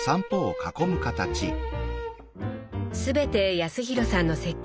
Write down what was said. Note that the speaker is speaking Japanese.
全て康廣さんの設計で？